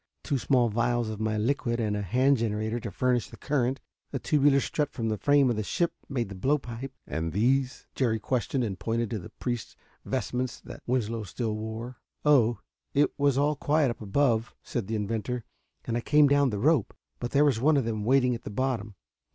Two small vials of my liquid and a hand generator to furnish the current. A tubular strut from the frame of the ship made the blow pipe." "And these?" Jerry questioned, and pointed to the priest's vestments that Winslow still wore. "Oh, it was all quiet up above," said the inventor, "and I came down the rope. But there was one of them waiting at the bottom.